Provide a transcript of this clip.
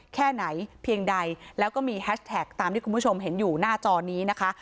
แค่ไหนเพียงใดแล้วก็มีแฮชแท็กตามที่คุณผู้ชมเห็นอยู่หน้าจอนี้นะคะ